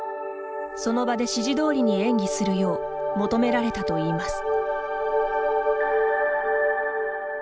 その場で指示通りに演技するよう求められたといいます。